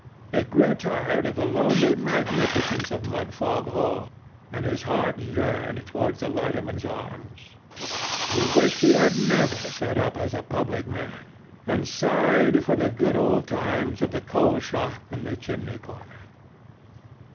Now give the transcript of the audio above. He grew tired of the lonely magnificence of Mudfog Hall, and his heart yearned towards the Lighterman's Arms. He wished he had never set up as a public man, and sighed for the good old times of the coal shop, and the chimney corner.